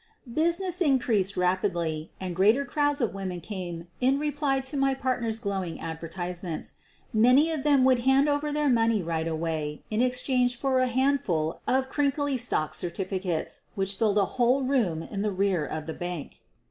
Business increased rapidly and greater crowds of women came in reply to my partner's glowing ad vertisements. Many of them would hand over their money right away in exchange for a handful of the crinkly stock certificates which filled a whole room in the rear of the bank.